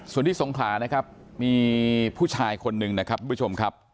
ส่วนที่สงขลานะครับมีผู้ชายคนหนึ่งนะครับทุกผู้ชมครับ